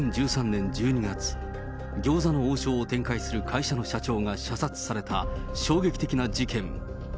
２０１３年１２月、餃子の王将を展開する会社の社長が射殺された衝撃的な事件。